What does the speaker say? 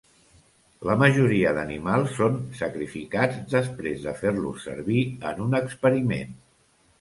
La majoria d'animals són sacrificats després de fer-los servir en un experiment.